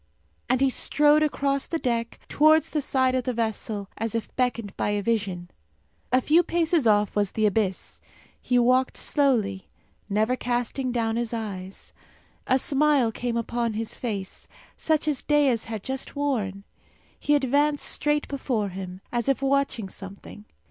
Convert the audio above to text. And he strode across the deck, towards the side of the vessel, as if beckoned by a vision. A few paces off was the abyss. He walked slowly, never casting down his eyes. A smile came upon his face, such as Dea's had just worn. He advanced straight before him, as if watching something.